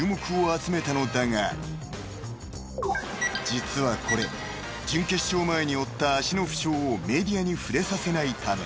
［実はこれ準決勝前に負った足の負傷をメディアに触れさせないため］